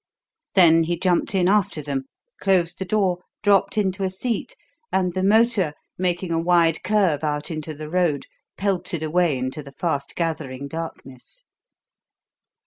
Then he jumped in after them, closed the door, dropped into a seat, and the motor, making a wide curve out into the road, pelted away into the fast gathering darkness.